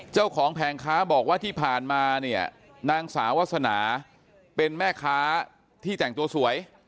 แผงค้าบอกว่าที่ผ่านมาเนี่ยนางสาวาสนาเป็นแม่ค้าที่แต่งตัวสวย